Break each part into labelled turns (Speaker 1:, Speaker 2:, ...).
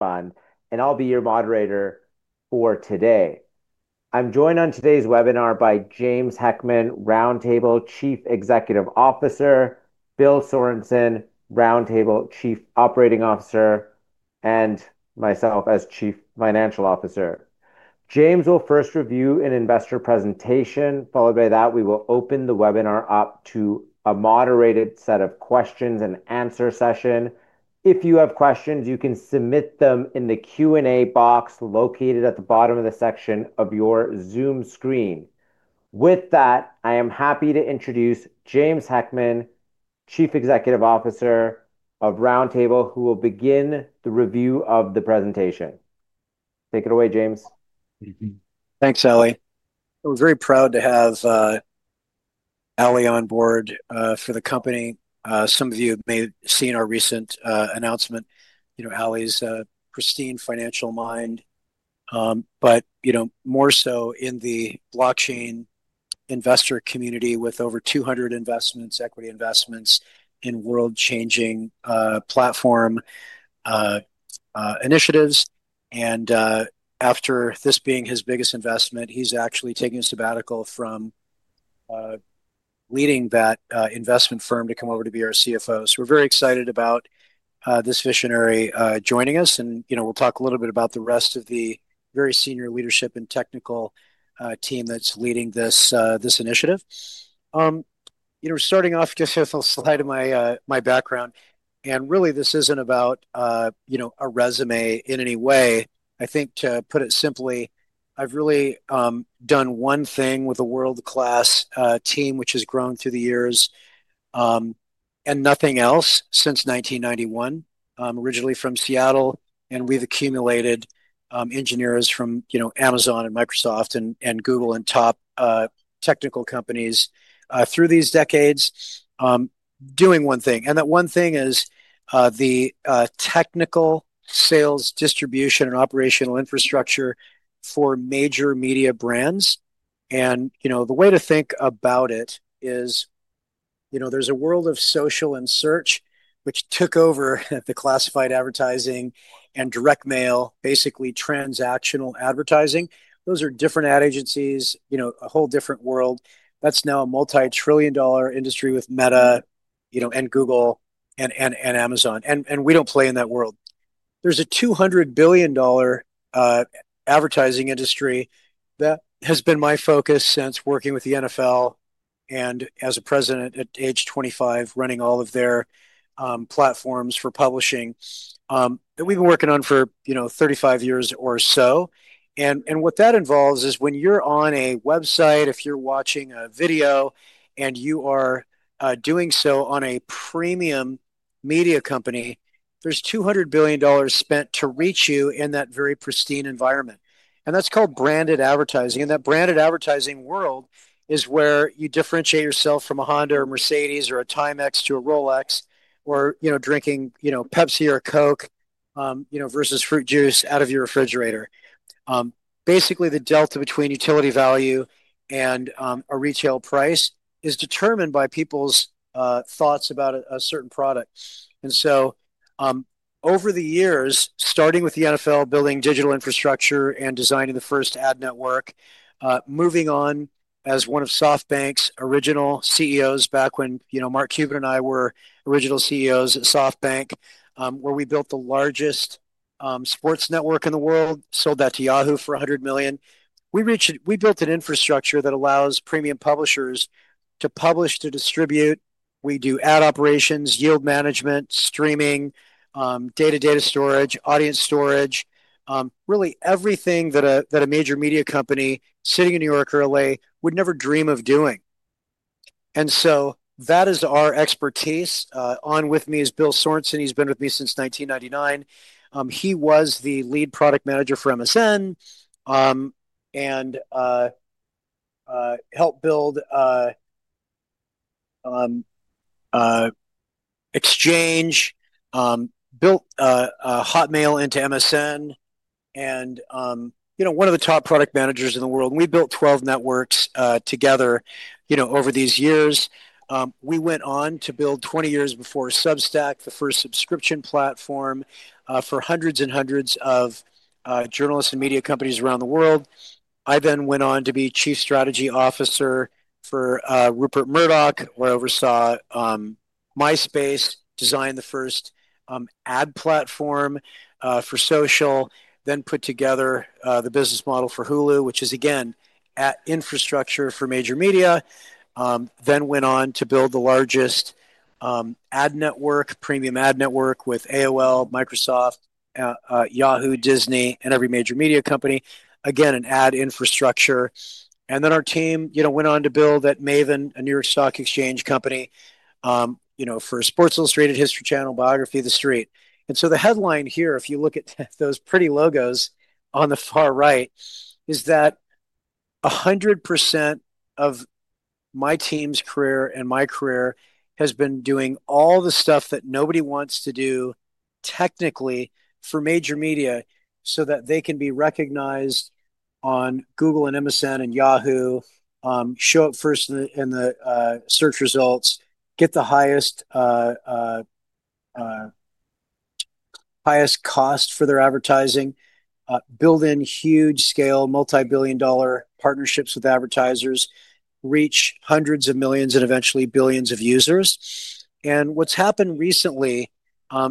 Speaker 1: Fund, and I'll be your moderator for today. I'm joined on today's webinar by James Heckman, Roundtable Chief Executive Officer, Bill Sorensen, Roundtable Chief Operating Officer, and myself as Chief Financial Officer. James will first review an investor presentation. Following that, we will open the webinar up to a moderated set of questions and answer session. If you have questions, you can submit them in the Q&A box located at the bottom of the section of your Zoom screen. With that, I am happy to introduce James Heckman, Chief Executive Officer of Roundtable, who will begin the review of the presentation. Take it away, James.
Speaker 2: Thank you. Thanks, Aly. I'm very proud to have Aly on board for the company. Some of you may have seen our recent announcement. You know Aly's pristine financial mind, but more so in the blockchain investor community with over 200 investments, equity investments in world-changing platform initiatives. After this being his biggest investment, he's actually taking a sabbatical from leading that investment firm to come over to be our CFO. We are very excited about this visionary joining us. We will talk a little bit about the rest of the very senior leadership and technical team that's leading this initiative. Starting off, just a slide of my background. Really, this isn't about a resume in any way. I think, to put it simply, I've really done one thing with a world-class team, which has grown through the years, and nothing else since 1991. Originally from Seattle, and we've accumulated engineers from Amazon and Microsoft and Google and top technical companies through these decades doing one thing. That one thing is the technical sales, distribution, and operational infrastructure for major media brands. The way to think about it is there's a world of social and search, which took over the classified advertising and direct mail, basically transactional advertising. Those are different ad agencies, a whole different world. That's now a multi-trillion dollar industry with Meta and Google and Amazon. We don't play in that world. There's a $200 billion advertising industry that has been my focus since working with the NFL and as a president at age 25, running all of their platforms for publishing that we've been working on for 35 years or so. What that involves is when you're on a website, if you're watching a video, and you are doing so on a premium media company, there's $200 billion spent to reach you in that very pristine environment. That's called branded advertising. That branded advertising world is where you differentiate yourself from a Honda or Mercedes or a Timex to a Rolex or drinking Pepsi or Coke versus fruit juice out of your refrigerator. Basically, the delta between utility value and a retail price is determined by people's thoughts about a certain product. Over the years, starting with the NFL, building digital infrastructure and designing the first ad network, moving on as one of SoftBank's original CEOs back when Mark Cuban and I were original CEOs at SoftBank, we built the largest sports network in the world, sold that to Yahoo for $100 million. We built an infrastructure that allows premium publishers to publish, to distribute. We do ad operations, yield management, streaming, data storage, audience storage, really everything that a major media company sitting in New York or LA would never dream of doing. That is our expertise. On with me is Bill Sorensen. He's been with me since 1999. He was the lead product manager for MSN and helped build Exchange, built Hotmail into MSN, and one of the top product managers in the world. We built 12 networks together over these years. We went on to build, 20 years before Substack, the first subscription platform for hundreds and hundreds of journalists and media companies around the world. I then went on to be Chief Strategy Officer for Rupert Murdoch, where I oversaw MySpace, designed the first ad platform for social, then put together the business model for Hulu, which is, again, infrastructure for major media. I went on to build the largest ad network, premium ad network with AOL, Microsoft, Yahoo, Disney, and every major media company. Again, an ad infrastructure. Our team went on to build at Maven, a New York Stock Exchange company, for Sports Illustrated, History Channel, Biography, The Street. The headline here, if you look at those pretty logos on the far right, is that 100% of my team's career and my career has been doing all the stuff that nobody wants to do technically for major media so that they can be recognized on Google and MSN and Yahoo, show up first in the search results, get the highest cost for their advertising, build in huge scale, multi-billion dollar partnerships with advertisers, reach hundreds of millions and eventually billions of users. What's happened recently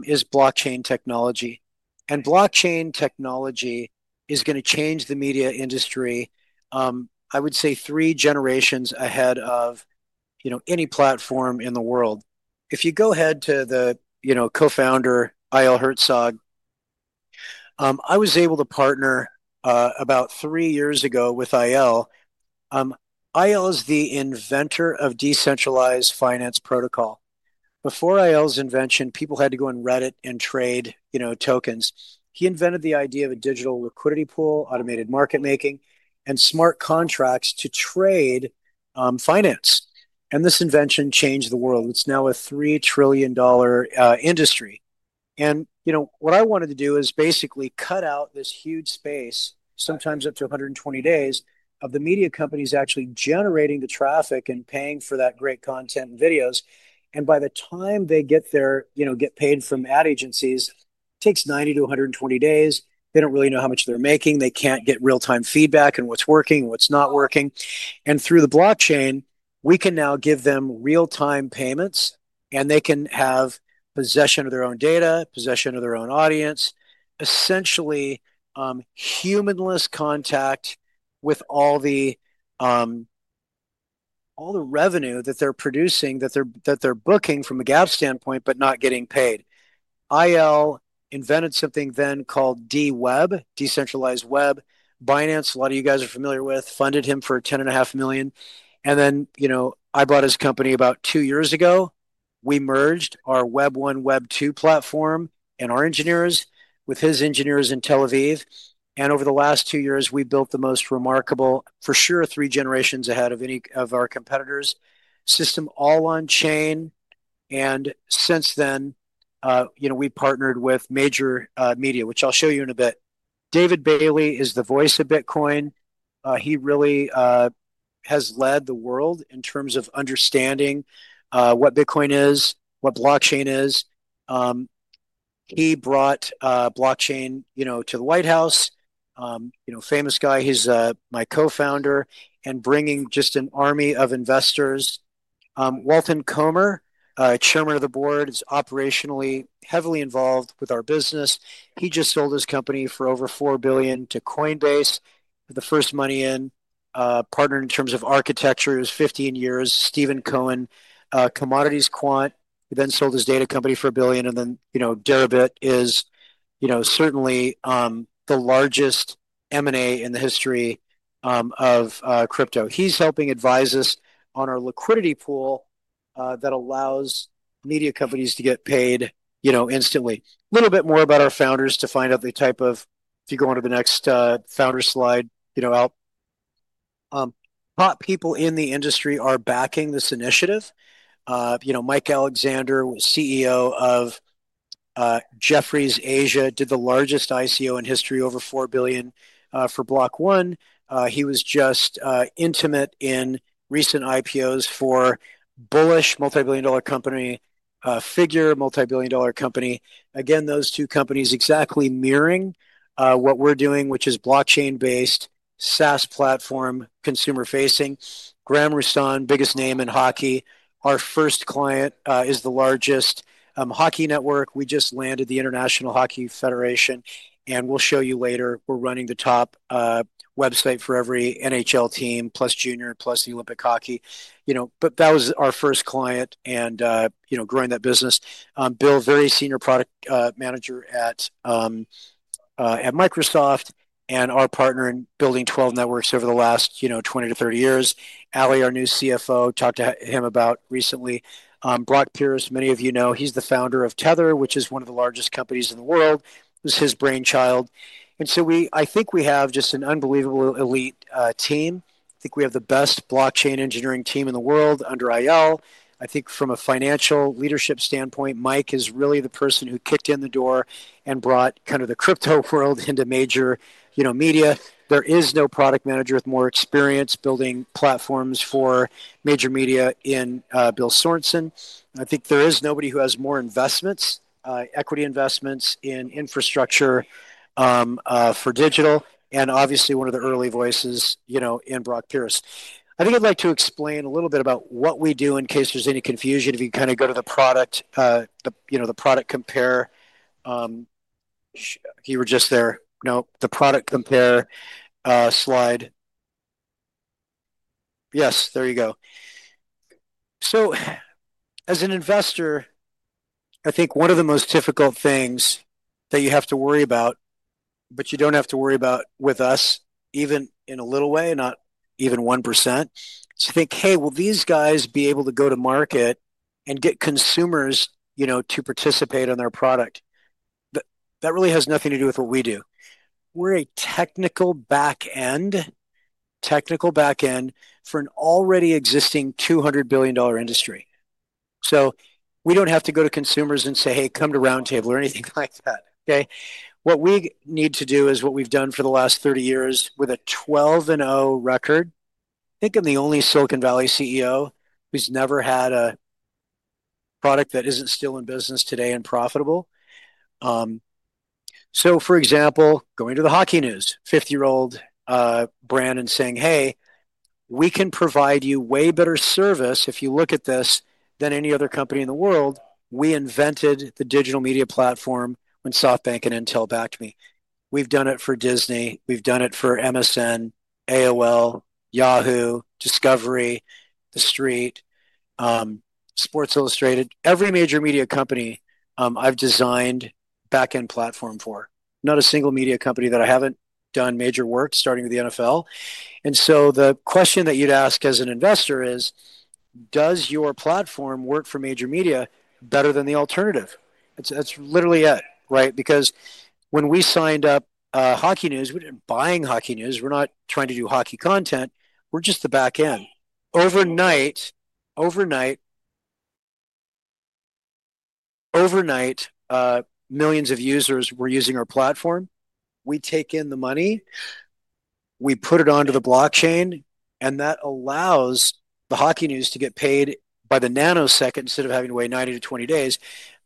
Speaker 2: is blockchain technology. Blockchain technology is going to change the media industry, I would say, three generations ahead of any platform in the world. If you go ahead to the co-founder, Il Hertzog, I was able to partner about three years ago with Il. Il is the inventor of decentralized finance protocol. Before Il's invention, people had to go on Reddit and trade tokens. He invented the idea of a digital liquidity pool, automated market making, and smart contracts to trade finance. This invention changed the world. It's now a $3 trillion industry. What I wanted to do is basically cut out this huge space, sometimes up to 120 days, of the media companies actually generating the traffic and paying for that great content and videos. By the time they get paid from ad agencies, it takes 90-120 days. They don't really know how much they're making. They can't get real-time feedback and what's working and what's not working. Through the blockchain, we can now give them real-time payments, and they can have possession of their own data, possession of their own audience, essentially humanless contact with all the revenue that they're producing, that they're booking from a GAAP standpoint, but not getting paid. Il invented something then called dWeb, decentralized web. Binance, a lot of you guys are familiar with, funded him for $10.5 million. I bought his company about two years ago. We merged our Web1, Web2 platform and our engineers with his engineers in Tel Aviv. Over the last two years, we built the most remarkable, for sure, three generations ahead of any of our competitors' system, all on chain. Since then, we partnered with major media, which I'll show you in a bit. David Bailey is the voice of Bitcoin. He really has led the world in terms of understanding what Bitcoin is, what blockchain is. He brought blockchain to the White House. Famous guy. He's my co-founder and bringing just an army of investors. Walton Comer, Chairman of the Board, is operationally heavily involved with our business. He just sold his company for over $4 billion to Coinbase. The first money in partnered in terms of architecture is 15 years. Stephen Cohen, Commodities Quant, who then sold his data company for $1 billion. Deribit is certainly the largest M&A in the history of crypto. He's helping advise us on our liquidity pool that allows media companies to get paid instantly. A little bit more about our founders to find out the type of, if you go on to the next founder slide, top people in the industry are backing this initiative. Mike Alexander, CEO of Jefferies Asia, did the largest ICO in history, over $4 billion for Block One. He was just intimate in recent IPOs for a bullish multi-billion dollar company, Figure, multi-billion dollar company. Again, those two companies exactly mirroring what we're doing, which is blockchain-based, SaaS platform, consumer-facing. Graham Russan, biggest name in hockey. Our first client is the largest hockey network. We just landed the International Hockey Federation. We will show you later, we're running the top website for every NHL team, plus Junior, plus the Olympic Hockey. That was our first client and growing that business. Bill, very senior product manager at Microsoft and our partner in building 12 networks over the last 20 to 30 years. Aly, our new CFO, talked to him about recently. Brock Pierce, many of you know, he's the founder of Tether, which is one of the largest companies in the world. It was his brainchild. I think we have just an unbelievable elite team. I think we have the best blockchain engineering team in the world under Il. I think from a financial leadership standpoint, Mike is really the person who kicked in the door and brought kind of the crypto world into major media. There is no product manager with more experience building platforms for major media in Bill Sorensen. I think there is nobody who has more investments, equity investments in infrastructure for digital, and obviously one of the early voices in Brock Pierce. I think I'd like to explain a little bit about what we do in case there's any confusion. If you kind of go to the product, the product compare, you were just there. No, the product compare slide. Yes, there you go. As an investor, I think one of the most difficult things that you have to worry about, but you do not have to worry about with us, even in a little way, not even 1%, is to think, hey, will these guys be able to go to market and get consumers to participate on their product? That really has nothing to do with what we do. We are a technical backend, technical backend for an already existing $200 billion industry. We do not have to go to consumers and say, hey, come to Roundtable or anything like that. What we need to do is what we have done for the last 30 years with a 12 and 0 record. I think I'm the only Silicon Valley CEO who's never had a product that isn't still in business today and profitable. For example, going to The Hockey News, 50-year-old Brandon saying, hey, we can provide you way better service if you look at this than any other company in the world. We invented the digital media platform when SoftBank and Intel backed me. We've done it for Disney. We've done it for MSN, AOL, Yahoo, Discovery, The Street, Sports Illustrated. Every major media company I've designed backend platform for. Not a single media company that I haven't done major work starting with the NFL. The question that you'd ask as an investor is, does your platform work for major media better than the alternative? That's literally it, right? Because when we signed up The Hockey News, we didn't buy The Hockey News. We're not trying to do hockey content. We're just the backend. Overnight, overnight, millions of users were using our platform. We take in the money. We put it onto the blockchain. That allows the hockey news to get paid by the nanosecond instead of having to wait 90-120 days.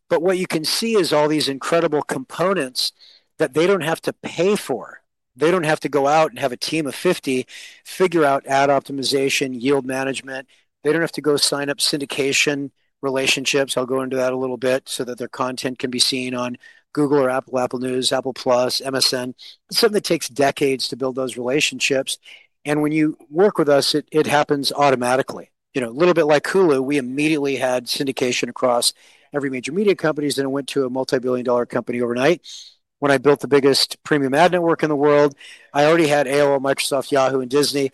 Speaker 2: What you can see is all these incredible components that they don't have to pay for. They don't have to go out and have a team of 50 figure out ad optimization, yield management. They don't have to go sign up syndication relationships. I'll go into that a little bit so that their content can be seen on Google or Apple, Apple News, Apple Plus, MSN. It's something that takes decades to build those relationships. When you work with us, it happens automatically. A little bit like Hulu, we immediately had syndication across every major media company. It went to a multi-billion dollar company overnight. When I built the biggest premium ad network in the world, I already had AOL, Microsoft, Yahoo, and Disney.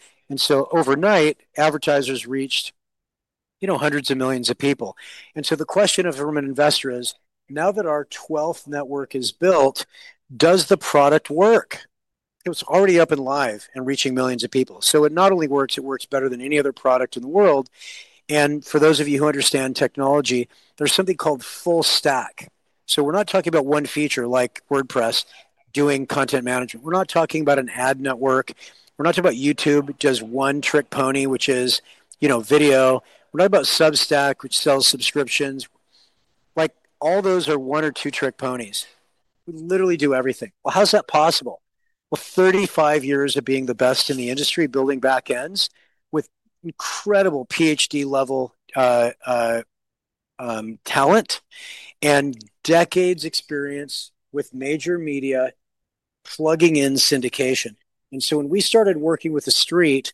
Speaker 2: Overnight, advertisers reached hundreds of millions of people. The question from an investor is, now that our 12th network is built, does the product work? It was already up and live and reaching millions of people. It not only works, it works better than any other product in the world. For those of you who understand technology, there is something called full stack. We are not talking about one feature like WordPress doing content management. We are not talking about an ad network. We are not talking about YouTube, which is a one trick pony, which is video. We are not about Substack, which sells subscriptions. All those are one or two trick ponies. We literally do everything. How is that possible? Thirty-five years of being the best in the industry, building backends with incredible PhD-level talent and decades of experience with major media plugging in syndication. When we started working with The Street,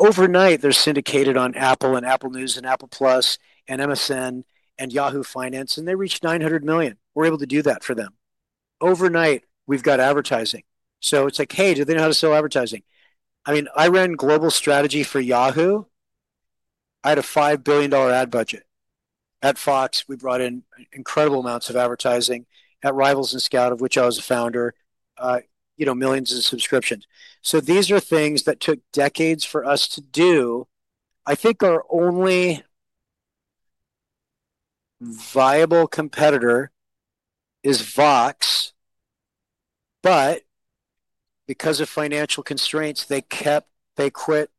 Speaker 2: overnight, they're syndicated on Apple and Apple News and Apple Plus and MSN and Yahoo Finance. They reached 900 million. We're able to do that for them. Overnight, we've got advertising. It's like, hey, do they know how to sell advertising? I mean, I ran global strategy for Yahoo. I had a $5 billion ad budget. At Fox, we brought in incredible amounts of advertising. At Rivals and Scout, of which I was a founder, millions of subscriptions. These are things that took decades for us to do. I think our only viable competitor is Vox. Because of financial constraints, they quit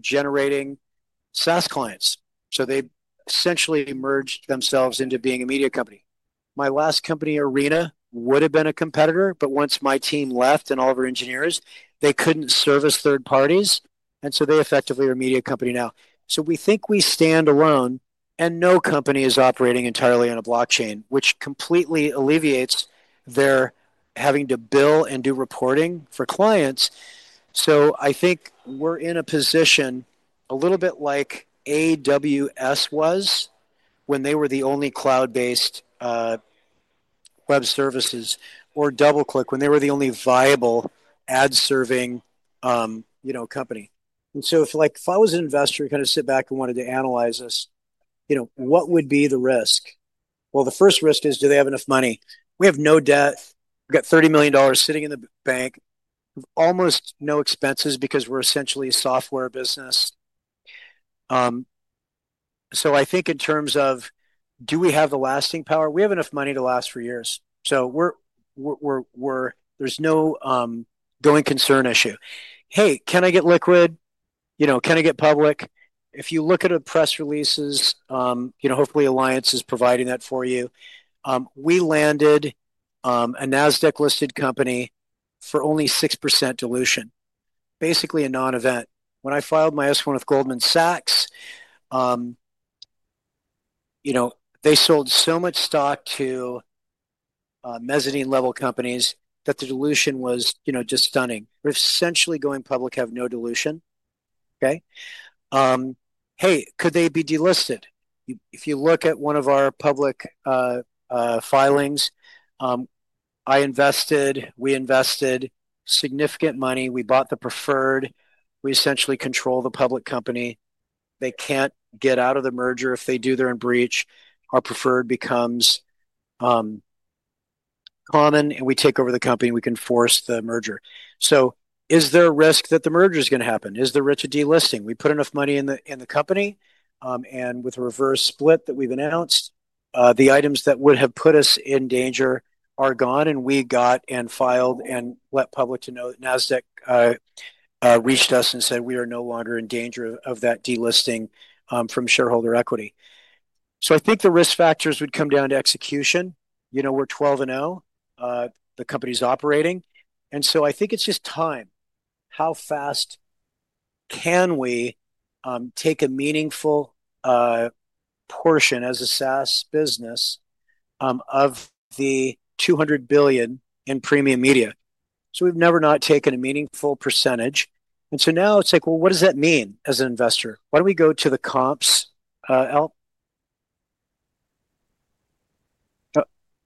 Speaker 2: generating SaaS clients. They essentially merged themselves into being a media company. My last company, Arena, would have been a competitor. Once my team left and all of our engineers, they could not service third parties. They effectively are a media company now. We think we stand alone and no company is operating entirely on a blockchain, which completely alleviates their having to bill and do reporting for clients. I think we are in a position a little bit like AWS was when they were the only cloud-based web services or DoubleClick when they were the only viable ad-serving company. If I was an investor who kind of sits back and wanted to analyze us, what would be the risk? The first risk is, do they have enough money? We have no debt. We have $30 million sitting in the bank. We have almost no expenses because we're essentially a software business. I think in terms of, do we have the lasting power? We have enough money to last for years. There's no going concern issue. Hey, can I get liquid? Can I get public? If you look at our press releases, hopefully, Alliance is providing that for you. We landed a Nasdaq-listed company for only 6% dilution, basically a non-event. When I filed my S-1 with Goldman Sachs, they sold so much stock to mezzanine-level companies that the dilution was just stunning. We're essentially going public, have no dilution. Okay? Hey, could they be delisted? If you look at one of our public filings, I invested, we invested significant money. We bought the preferred. We essentially control the public company. They can't get out of the merger. If they do their breach, our preferred becomes common, and we take over the company. We can force the merger. Is there a risk that the merger is going to happen? Is there a risk of delisting? We put enough money in the company. With a reverse split that we've announced, the items that would have put us in danger are gone. We got and filed and let public know that Nasdaq reached us and said we are no longer in danger of that delisting from shareholder equity. I think the risk factors would come down to execution. We're 12 and 0. The company's operating. I think it's just time. How fast can we take a meaningful portion as a SaaS business of the $200 billion in premium media? We've never not taken a meaningful percentage. Now it's like, what does that mean as an investor? Why don't we go to the comps?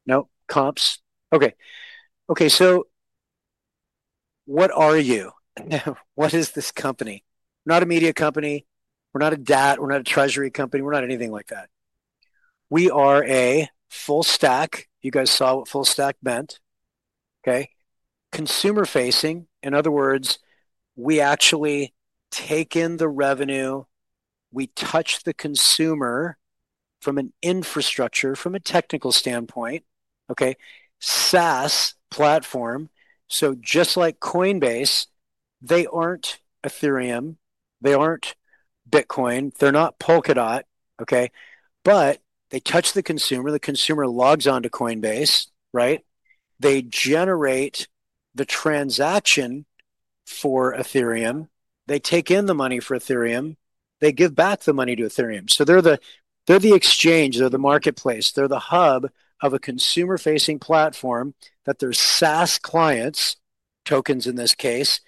Speaker 2: No, comps. Okay. Okay. What are you? What is this company? We're not a media company. We're not a DAT. We're not a treasury company. We're not anything like that. We are a full stack. You guys saw what full stack meant. Consumer-facing. In other words, we actually take in the revenue. We touch the consumer from an infrastructure, from a technical standpoint. SaaS platform. Just like Coinbase, they aren't Ethereum. They aren't Bitcoin. They're not Polkadot. They touch the consumer. The consumer logs on to Coinbase, right? They generate the transaction for Ethereum. They take in the money for Ethereum. They give back the money to Ethereum. They're the exchange. They're the marketplace. They're the hub of a consumer-facing platform that their SaaS clients, tokens in this case,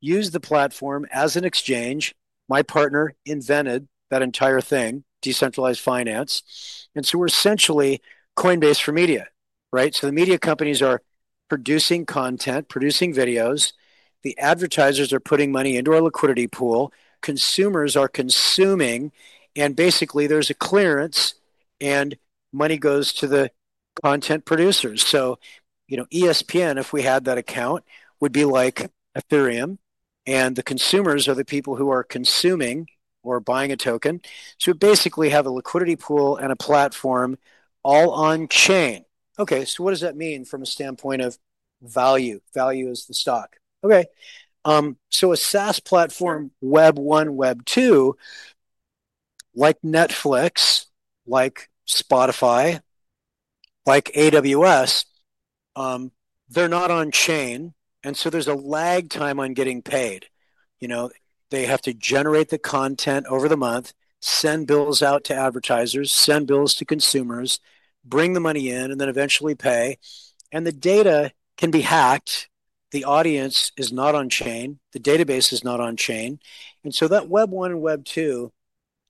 Speaker 2: use the platform as an exchange. My partner invented that entire thing, decentralized finance. We're essentially Coinbase for media, right? The media companies are producing content, producing videos. The advertisers are putting money into our liquidity pool. Consumers are consuming. Basically, there's a clearance and money goes to the content producers. ESPN, if we had that account, would be like Ethereum. The consumers are the people who are consuming or buying a token. We basically have a liquidity pool and a platform all on-chain. Okay. What does that mean from a standpoint of value? Value is the stock. Okay. A SaaS platform, Web1, Web2, like Netflix, like Spotify, like AWS, they're not on-chain. There's a lag time on getting paid. They have to generate the content over the month, send bills out to advertisers, send bills to consumers, bring the money in, and then eventually pay. The data can be hacked. The audience is not on-chain. The database is not on-chain. That Web1 and Web2,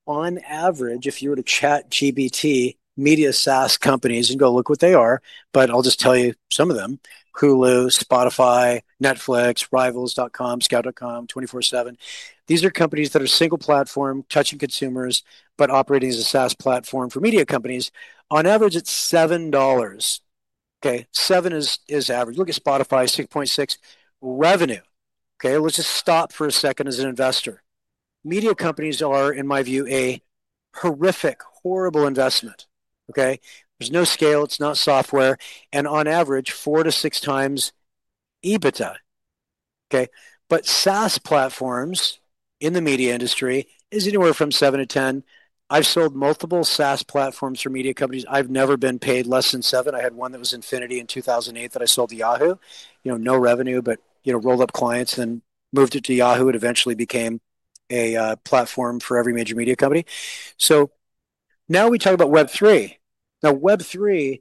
Speaker 2: on average, if you were to chat GBT media SaaS companies and go look what they are, but I'll just tell you some of them, Hulu, Spotify, Netflix, Rivals.com, Scout.com, 24/7, these are companies that are single platform, touching consumers, but operating as a SaaS platform for media companies. On average, it's $7. Seven is average. Look at Spotify, $6.6 revenue. Let's just stop for a second as an investor. Media companies are, in my view, a horrific, horrible investment. There's no scale. It's not software. On average, 4-6 times EBITDA. SaaS platforms in the media industry is anywhere from 7 to 10. I've sold multiple SaaS platforms for media companies. I've never been paid less than 7. I had one that was Infinity in 2008 that I sold to Yahoo. No revenue, but rolled up clients and moved it to Yahoo. It eventually became a platform for every major media company. Now we talk about Web3. Web3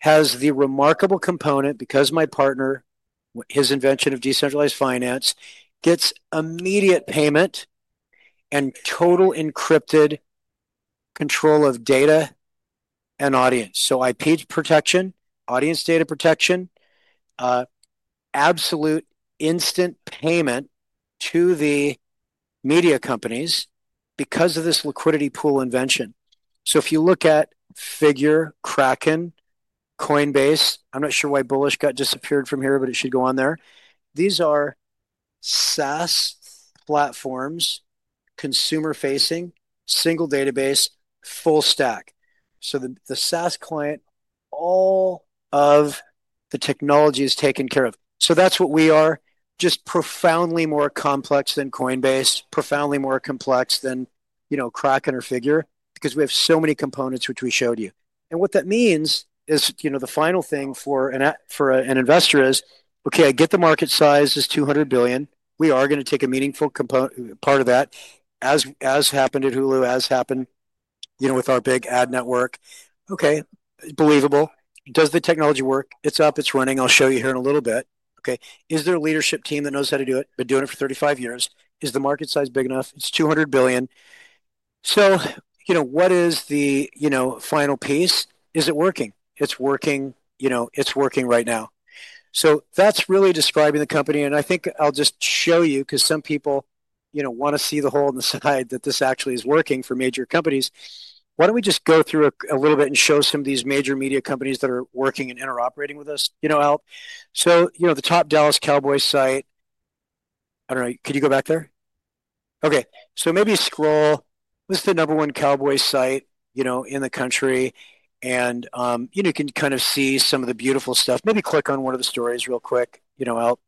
Speaker 2: has the remarkable component because my partner, his invention of decentralized finance, gets immediate payment and total encrypted control of data and audience. IP protection, audience data protection, absolute instant payment to the media companies because of this liquidity pool invention. If you look at Figure, Kraken, Coinbase, I'm not sure why Bullish got disappeared from here, but it should go on there. These are SaaS platforms, consumer-facing, single database, full stack. The SaaS client, all of the technology is taken care of. That is what we are, just profoundly more complex than Coinbase, profoundly more complex than Kraken or Figure because we have so many components, which we showed you. What that means is the final thing for an investor is, okay, I get the market size is $200 billion. We are going to take a meaningful component part of that, as happened at Hulu, as happened with our big ad network. Okay. Believable. Does the technology work? It is up. It is running. I will show you here in a little bit. Okay. Is there a leadership team that knows how to do it, been doing it for 35 years? Is the market size big enough? It is $200 billion. What is the final piece? Is it working? It is working. It is working right now. That is really describing the company. I think I'll just show you because some people want to see the hole in the side that this actually is working for major companies. Why don't we just go through a little bit and show some of these major media companies that are working and interoperating with us? You know, Al. The top Dallas Cowboy site, I don't know, could you go back there? Okay. Maybe scroll. What's the number one cowboy site in the country? You can kind of see some of the beautiful stuff. Maybe click on one of the stories real quick, Al.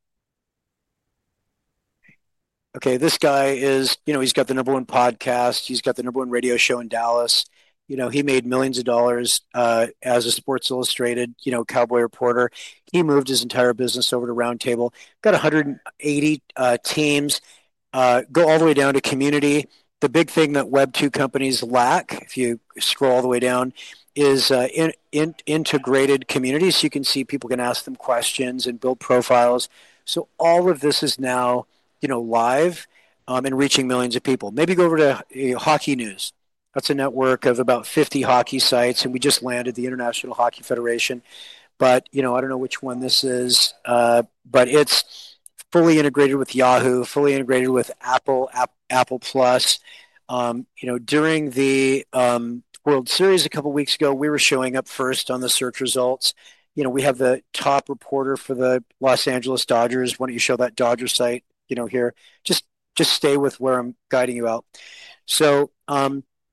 Speaker 2: This guy is, he's got the number one podcast. He's got the number one radio show in Dallas. He made millions of dollars as a Sports Illustrated cowboy reporter. He moved his entire business over to Roundtable. Got 180 teams. Go all the way down to community. The big thing that Web2 companies lack, if you scroll all the way down, is integrated communities. You can see people can ask them questions and build profiles. All of this is now live and reaching millions of people. Maybe go over to Hockey News. That is a network of about 50 hockey sites. We just landed the International Hockey Federation. I do not know which one this is, but it is fully integrated with Yahoo, fully integrated with Apple, Apple Plus. During the World Series a couple of weeks ago, we were showing up first on the search results. We have the top reporter for the Los Angeles Dodgers. Why do you not show that Dodger site here? Just stay with where I am guiding you out.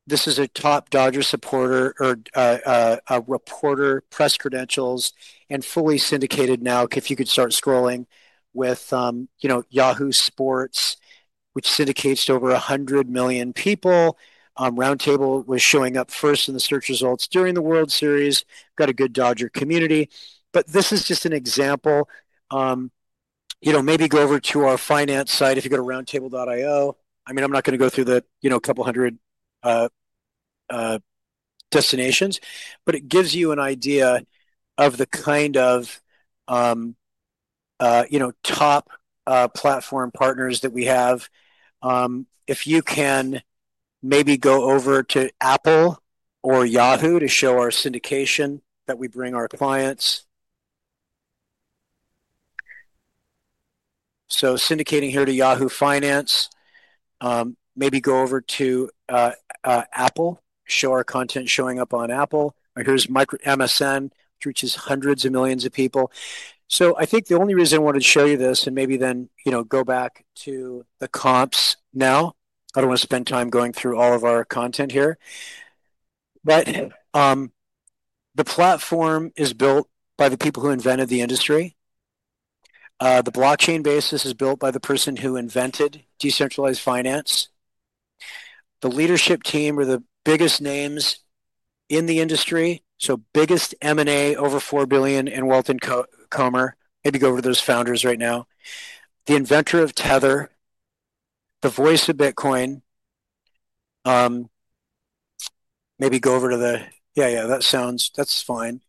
Speaker 2: This is a top Dodger supporter or reporter press credentials and fully syndicated now. If you could start scrolling with Yahoo Sports, which syndicates to over 100 million people. Roundtable was showing up first in the search results during the World Series. Got a good Dodger community. This is just an example. Maybe go over to our finance site if you go to roundtable.io. I mean, I'm not going to go through the couple hundred destinations, but it gives you an idea of the kind of top platform partners that we have. If you can maybe go over to Apple or Yahoo to show our syndication that we bring our clients. Syndicating here to Yahoo Finance. Maybe go over to Apple, show our content showing up on Apple. Here's MSN, which reaches hundreds of millions of people. I think the only reason I wanted to show you this and maybe then go back to the comps now. I don't want to spend time going through all of our content here. But the platform is built by the people who invented the industry. The blockchain basis is built by the person who invented decentralized finance. The leadership team are the biggest names in the industry. Biggest M&A, over $4 billion in wealth in Comer. Maybe go over to those founders right now. The inventor of Tether, the voice of Bitcoin. Maybe go over to the, yeah, yeah, that sounds, that's fine.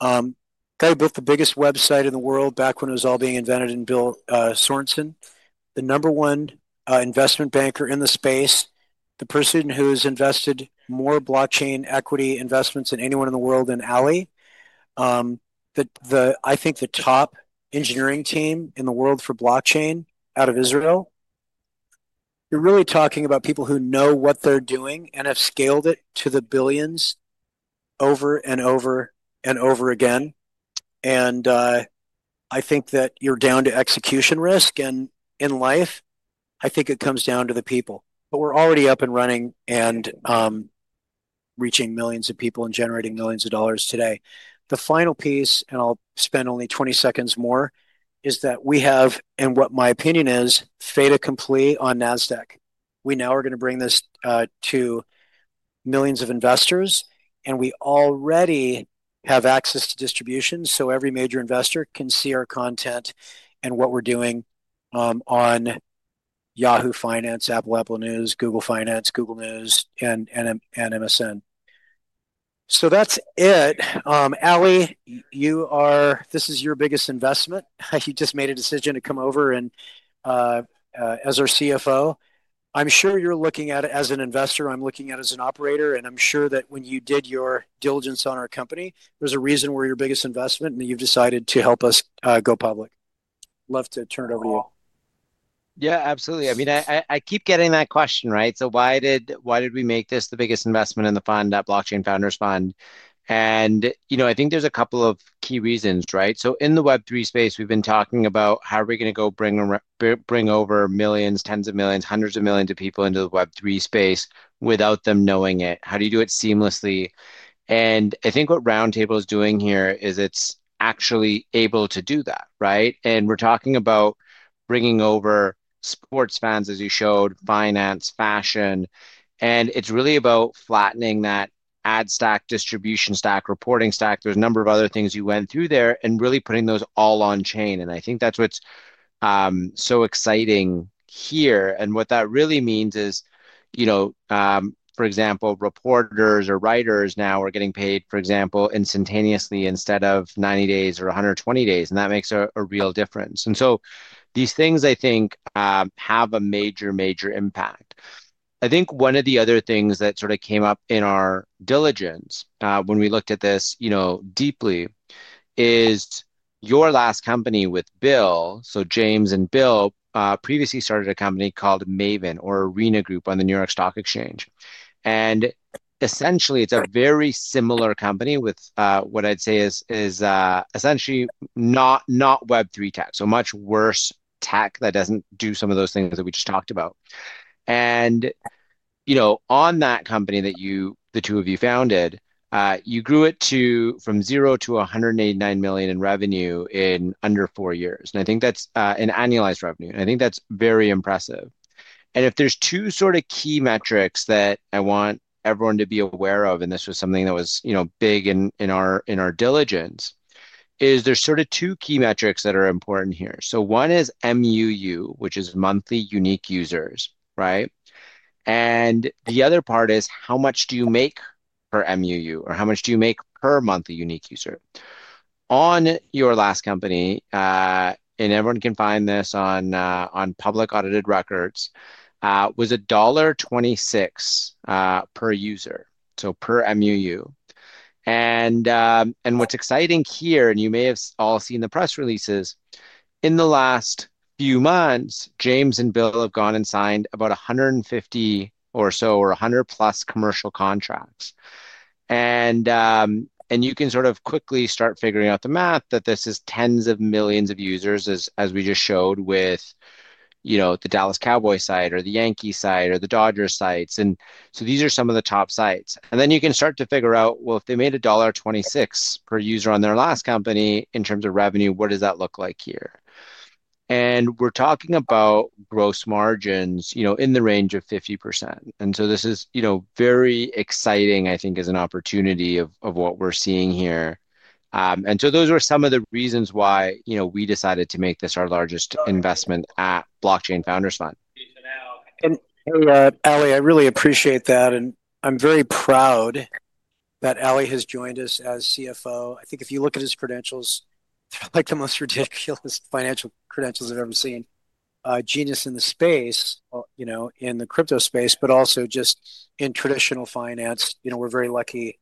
Speaker 2: Guy who built the biggest website in the world back when it was all being invented and built, Sorensen. The number one investment banker in the space, the person who has invested more blockchain equity investments than anyone in the world than Aly. I think the top engineering team in the world for blockchain out of Israel. You're really talking about people who know what they're doing and have scaled it to the billions over and over and over again. I think that you're down to execution risk. In life, I think it comes down to the people. We're already up and running and reaching millions of people and generating millions of dollars today. The final piece, and I'll spend only 20 seconds more, is that we have, in what my opinion is, fait accompli on Nasdaq. We now are going to bring this to millions of investors, and we already have access to distribution. Every major investor can see our content and what we're doing on Yahoo Finance, Apple News, Google Finance, Google News, and MSN. That's it. Aly, this is your biggest investment. You just made a decision to come over as our CFO. I'm sure you're looking at it as an investor. I'm looking at it as an operator. I'm sure that when you did your diligence on our company, there's a reason we're your biggest investment and that you've decided to help us go public. Love to turn it over to you.
Speaker 1: Yeah, absolutely. I mean, I keep getting that question, right? Why did we make this the biggest investment in the fund, that Blockchain Founders Fund? I think there's a couple of key reasons, right? In the Web3 space, we've been talking about how are we going to go bring over millions, tens of millions, hundreds of millions of people into the Web3 space without them knowing it? How do you do it seamlessly? I think what Roundtable is doing here is it's actually able to do that, right? We're talking about bringing over sports fans, as you showed, finance, fashion. It's really about flattening that ad stack, distribution stack, reporting stack. There are a number of other things you went through there and really putting those all on chain. I think that's what's so exciting here. What that really means is, for example, reporters or writers now are getting paid, for example, instantaneously instead of 90 days or 120 days. That makes a real difference. These things, I think, have a major, major impact. I think one of the other things that sort of came up in our diligence when we looked at this deeply is your last company with Bill. James and Bill previously started a company called Maven or Arena Group on the New York Stock Exchange. Essentially, it's a very similar company with what I'd say is essentially not Web3 tech, so much worse tech that doesn't do some of those things that we just talked about. On that company that the two of you founded, you grew it from 0 to $189 million in revenue in under four years. I think that's an annualized revenue. I think that's very impressive. If there's two sort of key metrics that I want everyone to be aware of, and this was something that was big in our diligence, there's sort of two key metrics that are important here. One is MUU, which is monthly unique users, right? The other part is how much do you make per MUU or how much do you make per monthly unique user? On your last company, and everyone can find this on public audited records, was $1.26 per user, so per MUU. What's exciting here, and you may have all seen the press releases, in the last few months, James and Bill have gone and signed about 150 or so or 100-plus commercial contracts. You can sort of quickly start figuring out the math that this is tens of millions of users, as we just showed with the Dallas Cowboy site or the Yankee site or the Dodger sites. These are some of the top sites. You can start to figure out, if they made $1.26 per user on their last company in terms of revenue, what does that look like here? We're talking about gross margins in the range of 50%. This is very exciting, I think, as an opportunity of what we're seeing here. Those were some of the reasons why we decided to make this our largest investment at Blockchain Founders Fund.
Speaker 2: Aly, I really appreciate that. I'm very proud that Aly has joined us as CFO. I think if you look at his credentials, they're like the most ridiculous financial credentials I've ever seen. A genius in the space, in the crypto space, but also just in traditional finance. We're very lucky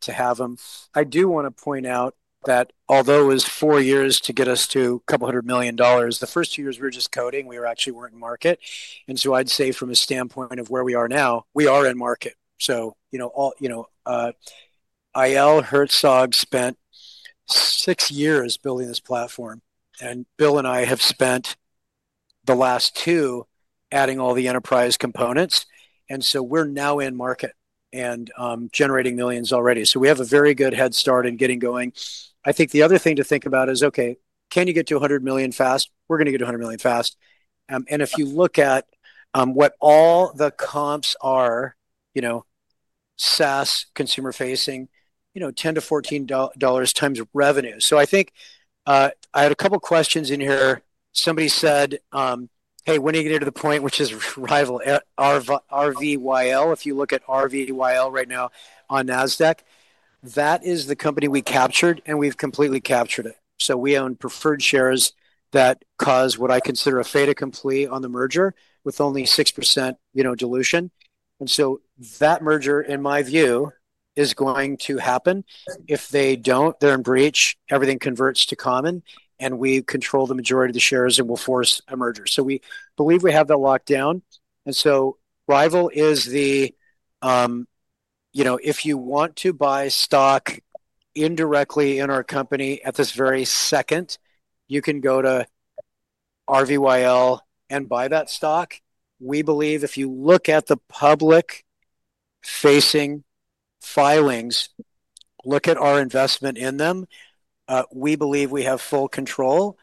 Speaker 2: to have him. I do want to point out that although it was four years to get us to a couple hundred million dollars, the first two years we were just coding. We actually weren't in market. I'd say from a standpoint of where we are now, we are in market. Il Hertzog spent six years building this platform. Bill and I have spent the last two adding all the enterprise components. We are now in market and generating millions already. We have a very good head start in getting going. I think the other thing to think about is, okay, can you get to $100 million fast? We are going to get to $100 million fast. If you look at what all the comps are, SaaS, consumer-facing, $10-$14 times revenue. I think I had a couple of questions in here. Somebody said, "Hey, when are you going to get to the point, which is Ryvyl, RVYL?" If you look at RVYL right now on Nasdaq, that is the company we captured, and we have completely captured it. We own preferred shares that cause what I consider a fade, a complete on the merger with only 6% dilution. That merger, in my view, is going to happen. If they do not, they are in breach. Everything converts to common, and we control the majority of the shares and will force a merger. We believe we have that locked down. Ryvyl is the, if you want to buy stock indirectly in our company at this very second, you can go to RVYL and buy that stock. We believe if you look at the public-facing filings, look at our investment in them, we believe we have full control.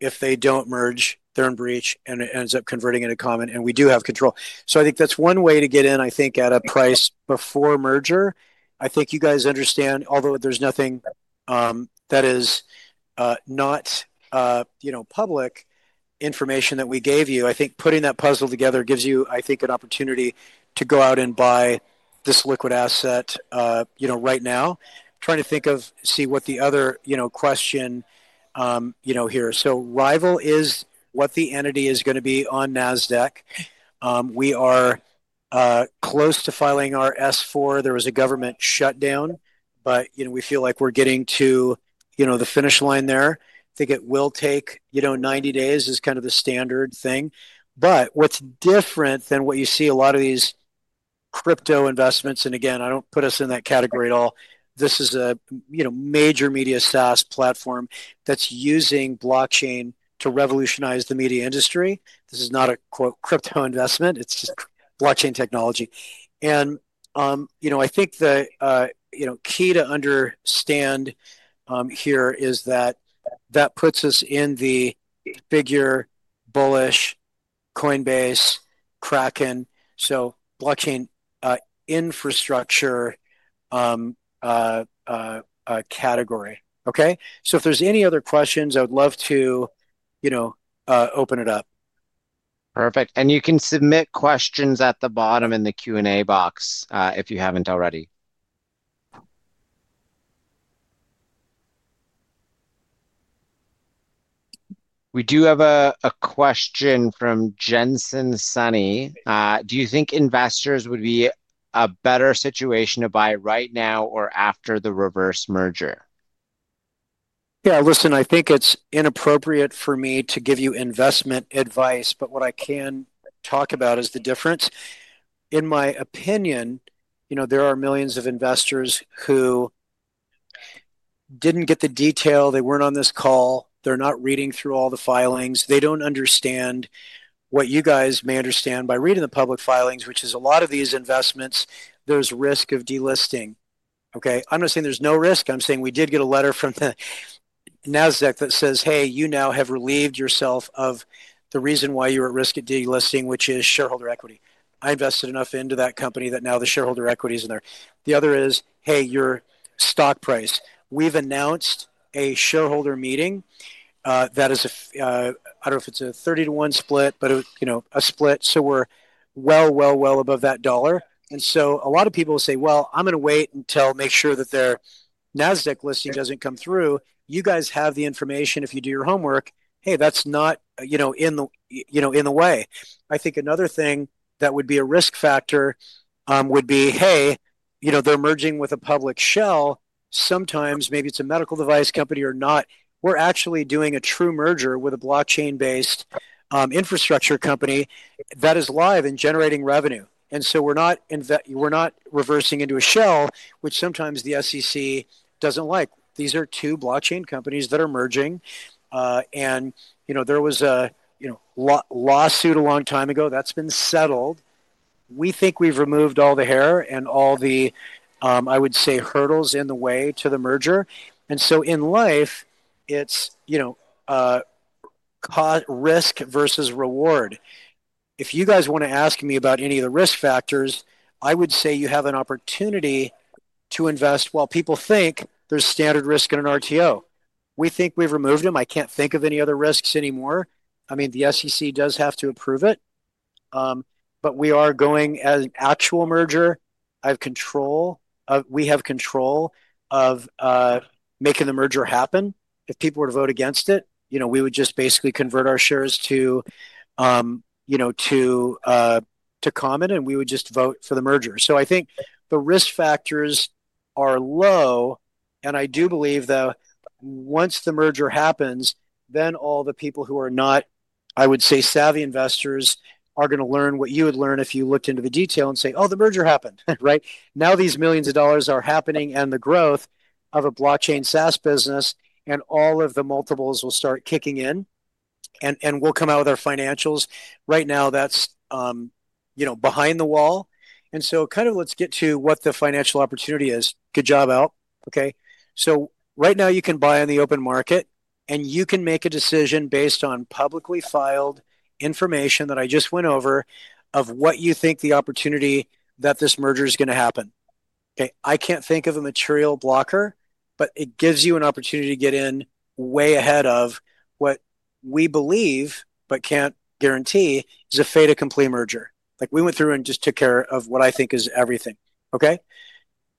Speaker 2: If they do not merge, they are in breach and it ends up converting into common, and we do have control. I think that is one way to get in, I think, at a price before merger. I think you guys understand, although there's nothing that is not public information that we gave you, I think putting that puzzle together gives you, I think, an opportunity to go out and buy this liquid asset right now. Trying to think of, see what the other question here. Ryvyl is what the entity is going to be on Nasdaq. We are close to filing our S4. There was a government shutdown, but we feel like we're getting to the finish line there. I think it will take 90 days is kind of the standard thing. What's different than what you see a lot of these crypto investments, and again, I don't put us in that category at all, this is a major media SaaS platform that's using blockchain to revolutionize the media industry. This is not a crypto investment. It's just blockchain technology. I think the key to understand here is that that puts us in the bigger Bullish, Coinbase, Kraken, so blockchain infrastructure category. Okay? If there are any other questions, I would love to open it up.
Speaker 1: Perfect. You can submit questions at the bottom in the Q&A box if you have not already. We do have a question from Jensen Sunny. Do you think investors would be in a better situation to buy right now or after the reverse merger?
Speaker 2: Yeah, listen, I think it is inappropriate for me to give you investment advice, but what I can talk about is the difference. In my opinion, there are millions of investors who did not get the detail. They were not on this call. They are not reading through all the filings. They don't understand what you guys may understand by reading the public filings, which is a lot of these investments, there's risk of delisting. Okay? I'm not saying there's no risk. I'm saying we did get a letter from the Nasdaq that says, "Hey, you now have relieved yourself of the reason why you're at risk of delisting, which is shareholder equity. I invested enough into that company that now the shareholder equity is in there." The other is, "Hey, your stock price." We have announced a shareholder meeting that is, I don't know if it's a 30-to-1 split, but a split. We are well, well, well above that dollar. A lot of people will say, "Well, I'm going to wait until make sure that their Nasdaq listing doesn't come through." You guys have the information if you do your homework. Hey, that's not in the way. I think another thing that would be a risk factor would be, "Hey, they're merging with a public shell." Sometimes maybe it's a medical device company or not. We're actually doing a true merger with a blockchain-based infrastructure company that is live and generating revenue. We're not reversing into a shell, which sometimes the SEC doesn't like. These are two blockchain companies that are merging. There was a lawsuit a long time ago. That's been settled. We think we've removed all the hair and all the, I would say, hurdles in the way to the merger. In life, it's risk versus reward. If you guys want to ask me about any of the risk factors, I would say you have an opportunity to invest while people think there's standard risk in an RTO. We think we've removed them. I can't think of any other risks anymore. I mean, the SEC does have to approve it. We are going as an actual merger. We have control of making the merger happen. If people were to vote against it, we would just basically convert our shares to common, and we would just vote for the merger. I think the risk factors are low. I do believe, though, once the merger happens, all the people who are not, I would say, savvy investors are going to learn what you would learn if you looked into the detail and say, "Oh, the merger happened," right? Now these millions of dollars are happening and the growth of a blockchain SaaS business and all of the multiples will start kicking in. We'll come out with our financials. Right now, that's behind the wall. Let us get to what the financial opportunity is. Good job, Al. Okay? Right now, you can buy on the open market, and you can make a decision based on publicly filed information that I just went over of what you think the opportunity that this merger is going to happen. I cannot think of a material blocker, but it gives you an opportunity to get in way ahead of what we believe, but cannot guarantee, is a fade a complete merger. We went through and just took care of what I think is everything.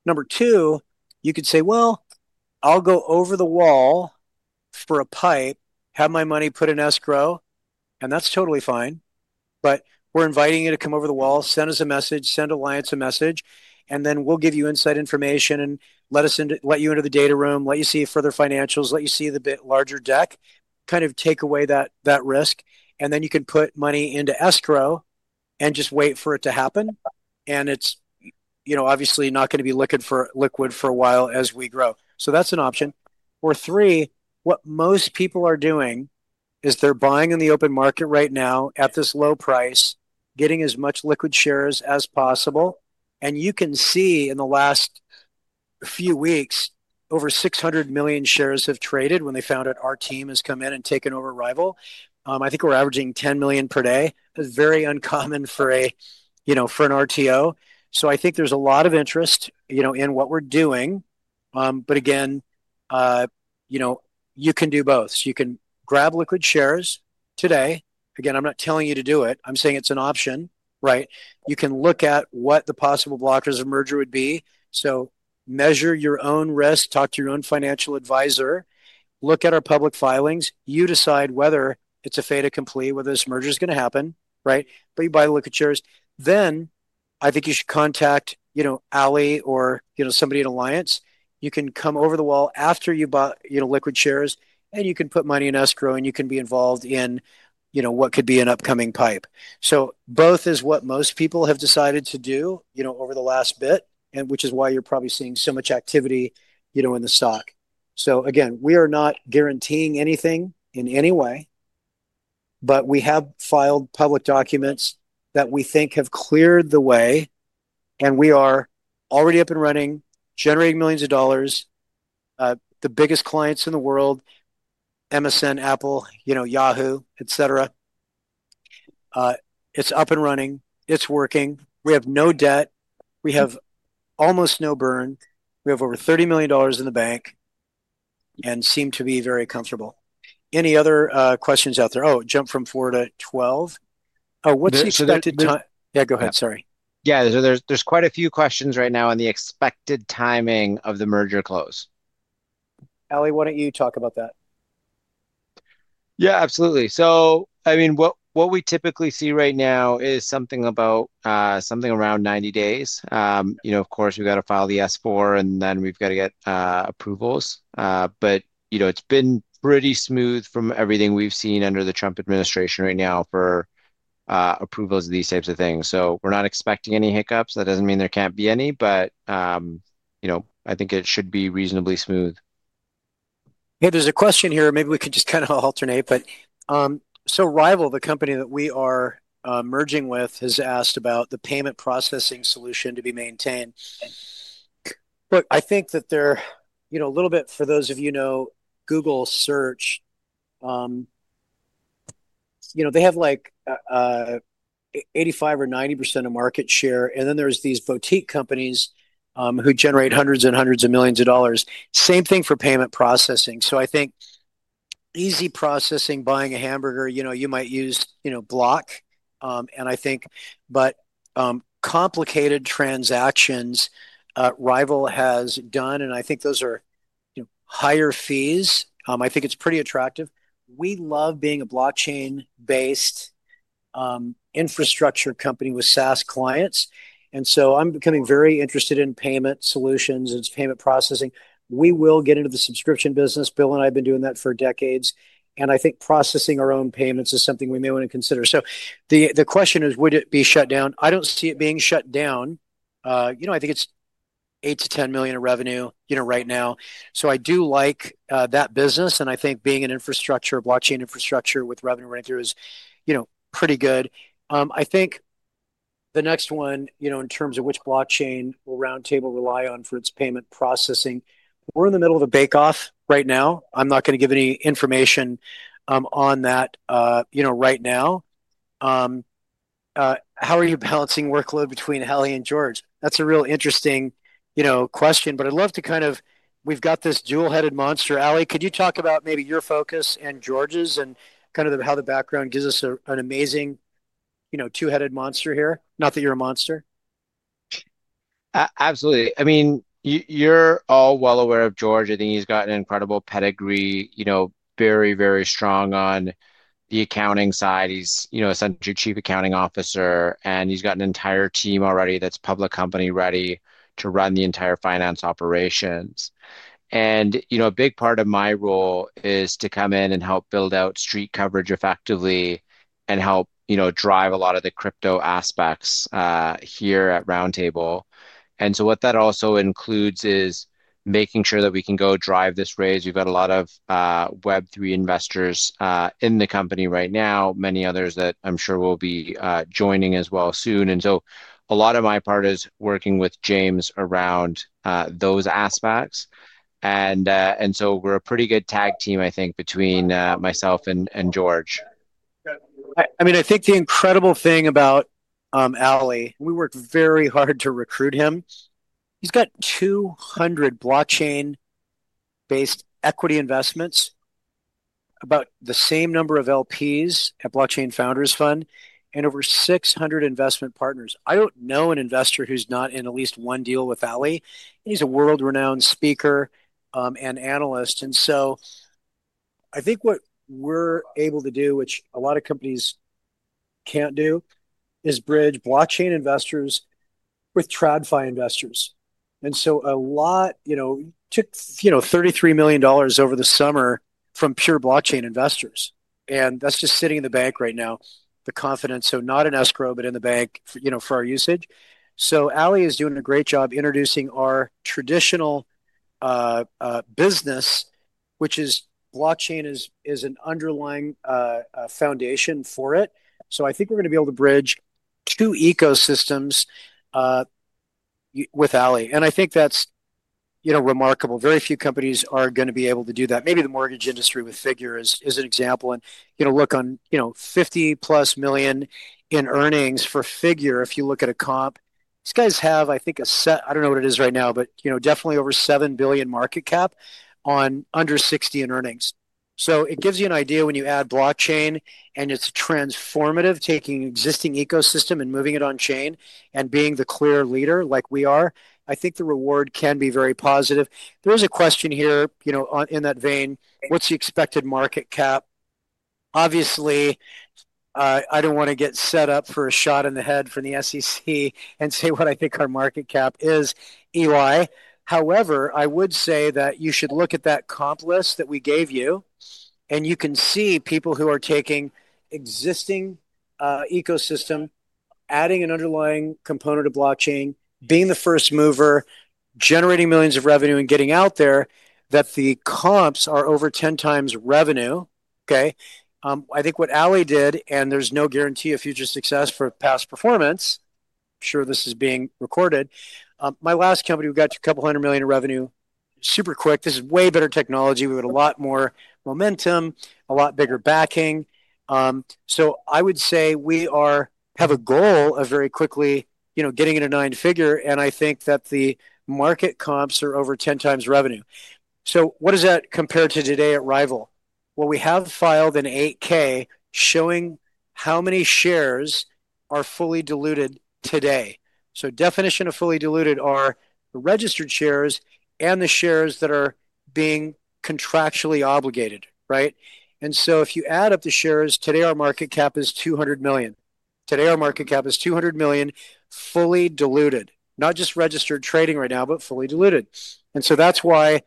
Speaker 2: Number two, you could say, "Well, I will go over the wall for a pipe, have my money put in escrow," and that is totally fine. We're inviting you to come over the wall, send us a message, send Alliance a message, and then we'll give you inside information and let you into the data room, let you see further financials, let you see the larger deck, kind of take away that risk. You can put money into escrow and just wait for it to happen. It's obviously not going to be liquid for a while as we grow. That's an option. What most people are doing is they're buying in the open market right now at this low price, getting as much liquid shares as possible. You can see in the last few weeks, over 600 million shares have traded when they found out our team has come in and taken over Ryvyl. I think we're averaging 10 million per day. That's very uncommon for an RTO. I think there's a lot of interest in what we're doing. Again, you can do both. You can grab liquid shares today. Again, I'm not telling you to do it. I'm saying it's an option, right? You can look at what the possible blockers of merger would be. Measure your own risk, talk to your own financial advisor. Look at our public filings. You decide whether it's a fait accompli, whether this merger is going to happen, right? You buy liquid shares. I think you should contact Aly or somebody at Alliance. You can come over the wall after you bought liquid shares, and you can put money in escrow, and you can be involved in what could be an upcoming PIPE. Both is what most people have decided to do over the last bit, which is why you're probably seeing so much activity in the stock. Again, we are not guaranteeing anything in any way, but we have filed public documents that we think have cleared the way, and we are already up and running, generating millions of dollars. The biggest clients in the world, MSN, Apple, Yahoo, etc. It's up and running. It's working. We have no debt. We have almost no burn. We have over $30 million in the bank and seem to be very comfortable. Any other questions out there? Oh, jump from 4 to 12. What's the expected time? Yeah, go ahead. Sorry.
Speaker 1: Yeah. There's quite a few questions right now on the expected timing of the merger close.
Speaker 2: Aly, why don't you talk about that? Yeah, absolutely.
Speaker 1: I mean, what we typically see right now is something around 90 days. Of course, we've got to file the S4, and then we've got to get approvals. It's been pretty smooth from everything we've seen under the Trump administration right now for approvals of these types of things. We're not expecting any hiccups. That doesn't mean there can't be any, but I think it should be reasonably smooth.
Speaker 2: Hey, there's a question here. Maybe we could just kind of alternate. Ryvyl, the company that we are merging with, has asked about the payment processing solution to be maintained. Look, I think that they're a little bit, for those of you who know Google Search, they have 85% or 90% of market share. Then there's these boutique companies who generate hundreds and hundreds of millions of dollars. Same thing for payment processing. I think easy processing, buying a hamburger, you might use Block. I think, but complicated transactions Ryvyl has done, and I think those are higher fees. I think it's pretty attractive. We love being a blockchain-based infrastructure company with SaaS clients. I'm becoming very interested in payment solutions and payment processing. We will get into the subscription business. Bill and I have been doing that for decades. I think processing our own payments is something we may want to consider. The question is, would it be shut down? I don't see it being shut down. I think it's $8 million-$10 million of revenue right now. I do like that business. I think being an infrastructure, blockchain infrastructure with revenue running through is pretty good. I think the next one, in terms of which blockchain will Roundtable rely on for its payment processing, we're in the middle of a bake-off right now. I'm not going to give any information on that right now. How are you balancing workload between Aly and George? That's a real interesting question, but I'd love to kind of, we've got this dual-headed monster. Aly, could you talk about maybe your focus and George's and kind of how the background gives us an amazing two-headed monster here? Not that you're a monster.
Speaker 1: Absolutely. I mean, you're all well aware of George. I think he's got an incredible pedigree, very, very strong on the accounting side. He's essentially a Chief Accounting Officer, and he's got an entire team already that's public company ready to run the entire finance operations. A big part of my role is to come in and help build out street coverage effectively and help drive a lot of the crypto aspects here at Roundtable. That also includes making sure that we can go drive this raise. We have a lot of Web3 investors in the company right now, many others that I am sure will be joining as well soon. A lot of my part is working with James around those aspects. We are a pretty good tag team, I think, between myself and George.
Speaker 2: I think the incredible thing about Aly, we worked very hard to recruit him. He has 200 blockchain-based equity investments, about the same number of LPs at Blockchain Founders Fund, and over 600 investment partners. I do not know an investor who is not in at least one deal with Aly. He's a world-renowned speaker and analyst. I think what we're able to do, which a lot of companies can't do, is bridge blockchain investors with TradFi investors. A lot took $33 million over the summer from pure blockchain investors. That's just sitting in the bank right now, the confidence. Not in escrow, but in the bank for our usage. Aly is doing a great job introducing our traditional business, which is blockchain is an underlying foundation for it. I think we're going to be able to bridge two ecosystems with Aly. I think that's remarkable. Very few companies are going to be able to do that. Maybe the mortgage industry with Figure is an example. Look on $50 million-plus in earnings for Figure, if you look at a comp. These guys have, I think, a set, I don't know what it is right now, but definitely over $7 billion market cap on under $60 million in earnings. It gives you an idea when you add blockchain and it's transformative, taking existing ecosystem and moving it on-chain and being the clear leader like we are, I think the reward can be very positive. There is a question here in that vein, what's the expected market cap? Obviously, I don't want to get set up for a shot in the head from the SEC and say what I think our market cap is, Eli. However, I would say that you should look at that comp list that we gave you, and you can see people who are taking existing ecosystem, adding an underlying component of blockchain, being the first mover, generating millions of revenue and getting out there, that the comps are over 10 times revenue. Okay? I think what Aly did, and there's no guarantee of future success for past performance, I'm sure this is being recorded. My last company, we got a couple hundred million of revenue super quick. This is way better technology. We had a lot more momentum, a lot bigger backing. I would say we have a goal of very quickly getting into nine figure, and I think that the market comps are over 10 times revenue. What does that compare to today at Ryvyl? We have filed an 8K showing how many shares are fully diluted today. So definition of fully diluted are the registered shares and the shares that are being contractually obligated, right? If you add up the shares, today our market cap is $200 million. Today our market cap is $200 million fully diluted, not just registered trading right now, but fully diluted. That is why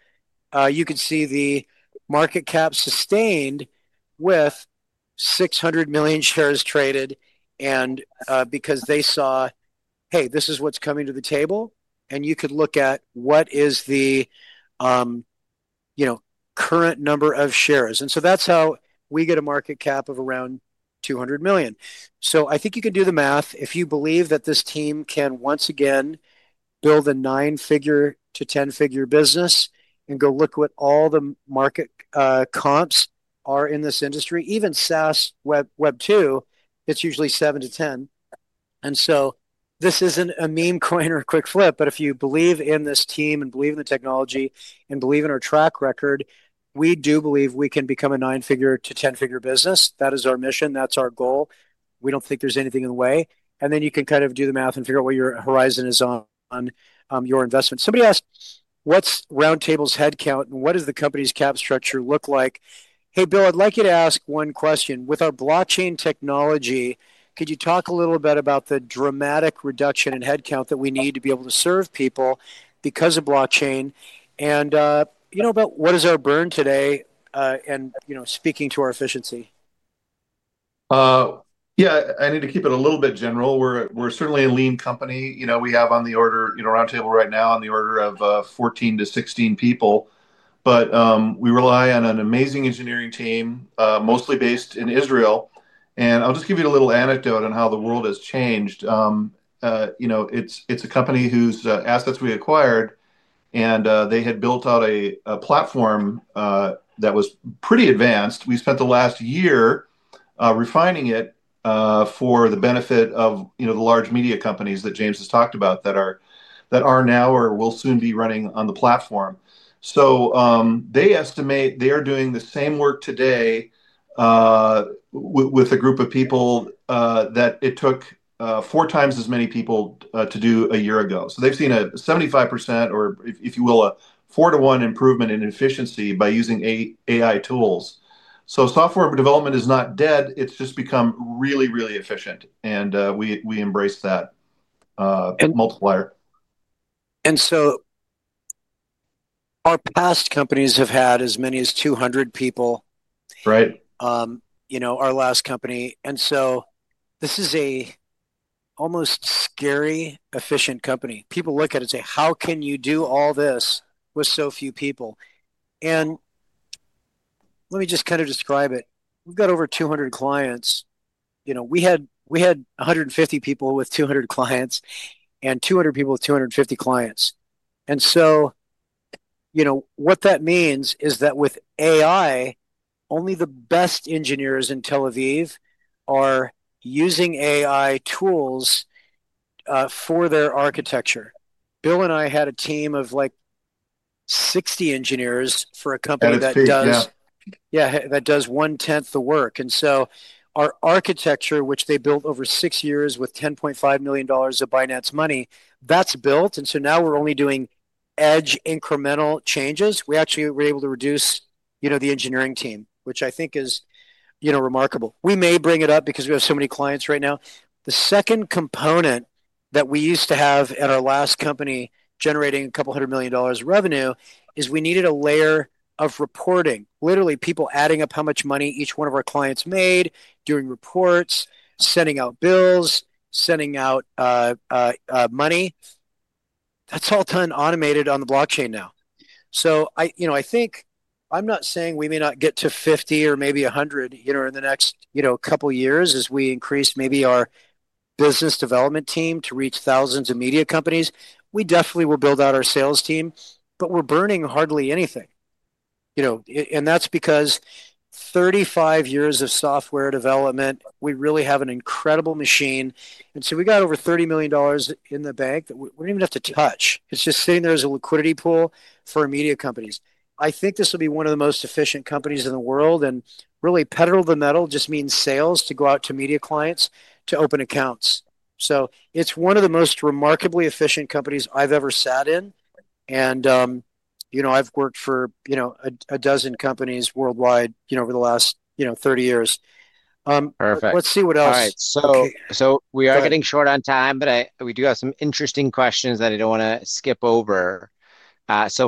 Speaker 2: you can see the market cap sustained with 600 million shares traded because they saw, "Hey, this is what's coming to the table," and you could look at what is the current number of shares. That is how we get a market cap of around $200 million. I think you can do the math if you believe that this team can once again build a nine-figure to ten-figure business and go look at what all the market comps are in this industry. Even SaaS Web2, it's usually 7-10. This isn't a meme coin or a quick flip, but if you believe in this team and believe in the technology and believe in our track record, we do believe we can become a nine-figure to ten-figure business. That is our mission. That's our goal. We don't think there's anything in the way. You can kind of do the math and figure out what your horizon is on your investment. Somebody asked, "What's Roundtable's headcount and what does the company's cap structure look like?" Hey, Bill, I'd like you to ask one question. With our blockchain technology, could you talk a little bit about the dramatic reduction in headcount that we need to be able to serve people because of blockchain? And about what is our burn today and speaking to our efficiency?
Speaker 3: Yeah, I need to keep it a little bit general. We're certainly a lean company. We have on the order Roundtable right now on the order of 14-16 people. But we rely on an amazing engineering team, mostly based in Israel. I'll just give you a little anecdote on how the world has changed. It's a company whose assets we acquired, and they had built out a platform that was pretty advanced. We spent the last year refining it for the benefit of the large media companies that James has talked about that are now or will soon be running on the platform. They estimate they are doing the same work today with a group of people that it took four times as many people to do a year ago. They have seen a 75%, or, if you will, a 4 to 1 improvement in efficiency by using AI tools. Software development is not dead. It has just become really, really efficient. We embrace that multiplier.
Speaker 2: Our past companies have had as many as 200 people. Right. Our last company. This is an almost scary, efficient company. People look at it and say, "How can you do all this with so few people?" Let me just kind of describe it. We have over 200 clients. We had 150 people with 200 clients and 200 people with 250 clients. What that means is that with AI, only the best engineers in Tel Aviv are using AI tools for their architecture. Bill and I had a team of like 60 engineers for a company that does, yeah, that does one-tenth the work. Our architecture, which they built over six years with $10.5 million of Binance money, that's built. Now we're only doing edge incremental changes. We actually were able to reduce the engineering team, which I think is remarkable. We may bring it up because we have so many clients right now. The second component that we used to have at our last company generating a couple hundred million dollars of revenue is we needed a layer of reporting. Literally, people adding up how much money each one of our clients made, doing reports, sending out bills, sending out money. That's all done automated on the blockchain now. I think I'm not saying we may not get to 50 or maybe 100 in the next couple of years as we increase maybe our business development team to reach thousands of media companies. We definitely will build out our sales team, but we're burning hardly anything. That's because 35 years of software development, we really have an incredible machine. We got over $30 million in the bank that we don't even have to touch. It's just sitting there as a liquidity pool for media companies. I think this will be one of the most efficient companies in the world. Really, pedal to the metal just means sales to go out to media clients to open accounts. It's one of the most remarkably efficient companies I've ever sat in. I've worked for a dozen companies worldwide over the last 30 years.
Speaker 1: Perfect. Let's see what else. All right. We are getting short on time, but we do have some interesting questions that I don't want to skip over.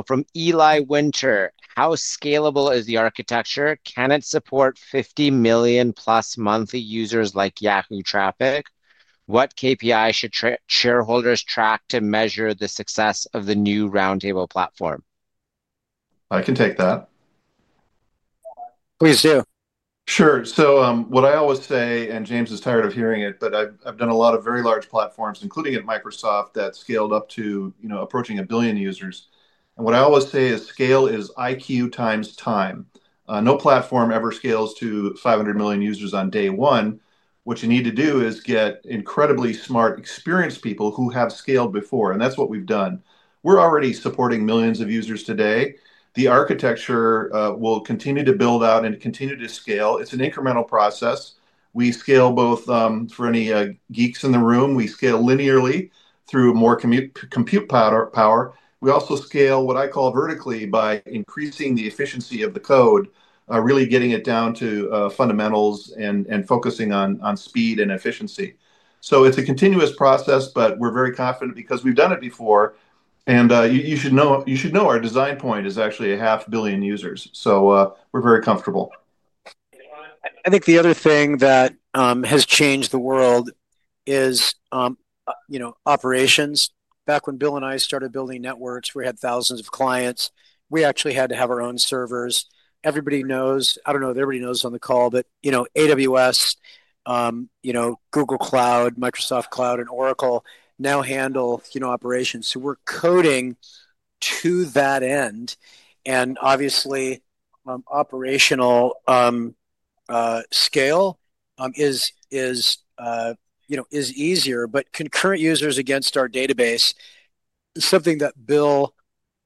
Speaker 1: From Eli Winter, how scalable is the architecture? Can it support 50 million plus monthly users like Yahoo traffic? What KPI should shareholders track to measure the success of the new Roundtable platform?
Speaker 3: I can take that.
Speaker 1: Please do. Sure.
Speaker 3: What I always say, and James is tired of hearing it, but I've done a lot of very large platforms, including at Microsoft, that scaled up to approaching a billion users. What I always say is scale is IQ times time. No platform ever scales to 500 million users on day one. What you need to do is get incredibly smart, experienced people who have scaled before. That's what we've done. We're already supporting millions of users today. The architecture will continue to build out and continue to scale. It's an incremental process. We scale both for any geeks in the room. We scale linearly through more compute power. We also scale what I call vertically by increasing the efficiency of the code, really getting it down to fundamentals and focusing on speed and efficiency. It's a continuous process, but we're very confident because we've done it before. You should know our design point is actually 500,000,000 users. We're very comfortable. I think the other thing that has changed the world is operations. Back when Bill and I started building networks, we had thousands of clients. We actually had to have our own servers.
Speaker 2: Everybody knows, I don't know if everybody knows on the call, but AWS, Google Cloud, Microsoft Cloud, and Oracle now handle operations. We're coding to that end. Obviously, operational scale is easier, but concurrent users against our database, something that Bill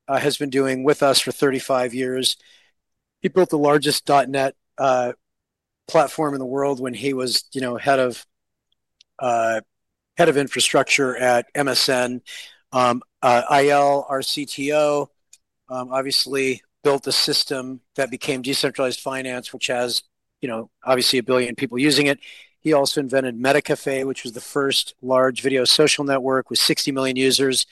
Speaker 2: has been doing with us for 35 years. He built the largest .NET platform in the world when he was head of infrastructure at MSN. Il, our CTO, obviously built a system that became decentralized finance, which has obviously a billion people using it. He also invented MetaCafe, which was the first large video social network with 60 million users.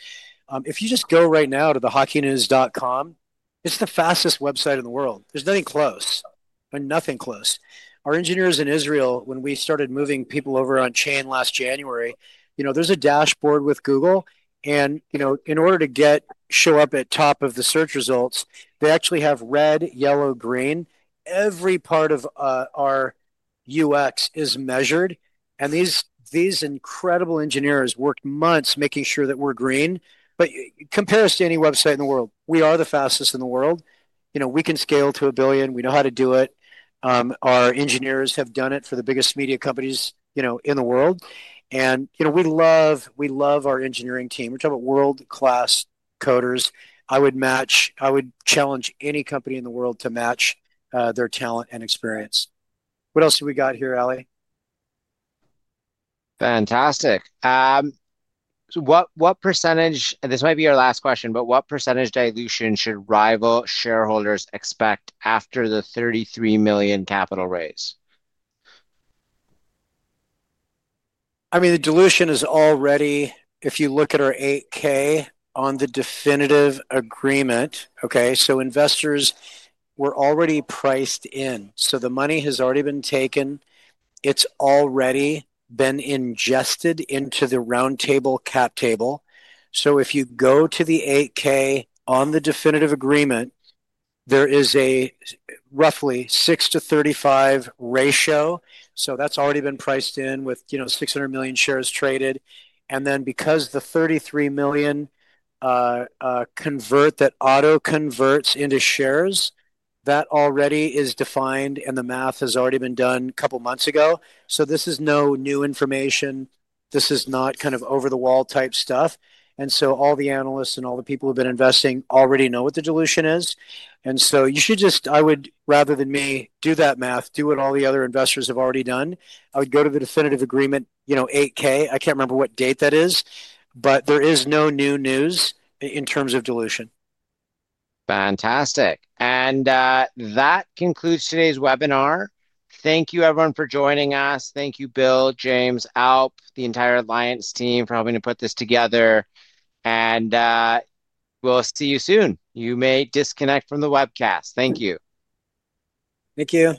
Speaker 2: If you just go right now to thehockeynews.com, it's the fastest website in the world. There's nothing close, nothing close. Our engineers in Israel, when we started moving people over on-chain last January, there's a dashboard with Google. In order to show up at top of the search results, they actually have red, yellow, green. Every part of our UX is measured. These incredible engineers worked months making sure that we're green. Compare us to any website in the world. We are the fastest in the world. We can scale to a billion. We know how to do it. Our engineers have done it for the biggest media companies in the world. We love our engineering team. We're talking about world-class coders. I would challenge any company in the world to match their talent and experience. What else do we got here, Aly?
Speaker 1: Fantastic. What percentage, and this might be your last question, but what percentage dilution should Ryvyl shareholders expect after the $33 million capital raise?
Speaker 2: I mean, the dilution is already, if you look at our 8K on the definitive agreement, okay, so investors were already priced in. The money has already been taken. It's already been ingested into the Roundtable cap table. If you go to the 8K on the definitive agreement, there is a roughly 6-35 ratio. That's already been priced in with 600 million shares traded. Because the 33 million convert that auto converts into shares, that already is defined and the math has already been done a couple of months ago. This is no new information. This is not kind of over-the-wall type stuff. All the analysts and all the people who have been investing already know what the dilution is. You should just, I would rather than me do that math, do what all the other investors have already done. I would go to the definitive agreement, 8K. I cannot remember what date that is, but there is no new news in terms of dilution.
Speaker 1: Fantastic. That concludes today's webinar. Thank you, everyone, for joining us. Thank you, Bill, James, Alp, the entire Alliance team for helping to put this together. We will see you soon. You may disconnect from the webcast. Thank you.
Speaker 2: Thank you.